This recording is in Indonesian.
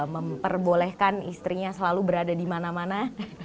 memperbolehkan istrinya selalu berada di mana mana